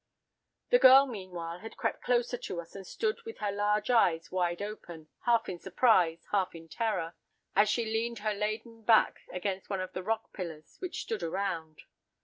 "'The girl meanwhile had crept closer to us and stood with her large eyes wide open, half in surprise, half in terror—as she leaned her laden back against one of the rock pillars which stood around.